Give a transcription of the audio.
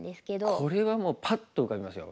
ああこれはもうパッと浮かびますよ